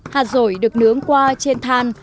hạt rổi được nướng qua trên than